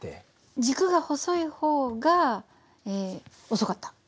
軸が細い方が遅かった。